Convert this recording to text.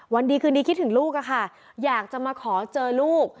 วันดีคืนนี้คิดถึงลูกอะค่ะอยากจะมาขอเจอลูก